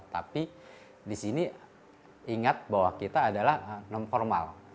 tapi di sini ingat bahwa kita adalah non formal